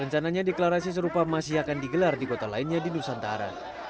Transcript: rencananya deklarasi serupa masih akan digelar di kota lainnya di nusantara